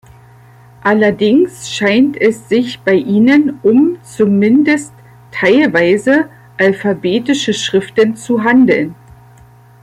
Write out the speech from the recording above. Allerdings scheint es sich bei ihnen um zumindest teilweise alphabetische Schriften zu handeln.